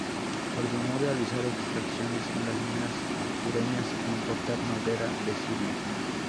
Ordenó realizar extracciones en las minas sureñas e importar madera de Siria.